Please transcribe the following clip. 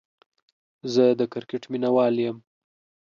زه دا کرکټ ميناوال يم